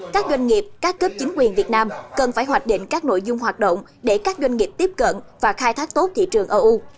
các doanh nghiệp các cấp chính quyền việt nam cần phải hoạch định các nội dung hoạt động để các doanh nghiệp tiếp cận và khai thác tốt thị trường eu